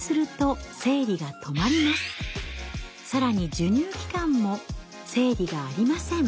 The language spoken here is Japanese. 更に授乳期間も生理がありません。